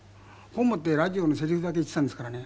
本持ってラジオのセリフだけ言ってたんですからね